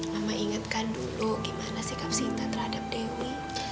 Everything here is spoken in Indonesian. mama ingatkan dulu gimana sikap sinta terhadap dewi